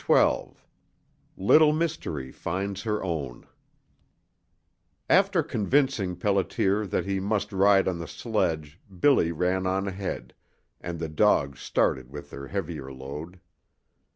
XII LITTLE MYSTERY FINDS HER OWN After convincing Pelliter that he must ride on the sledge Billy ran on ahead, and the dogs started with their heavier load.